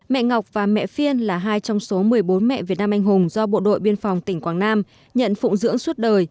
mẹ ngọc và mẹ phiên là hai trong số một mươi bốn mẹ việt nam anh hùng do bộ đội biên phòng tỉnh quảng nam nhận phụng dưỡng suốt đời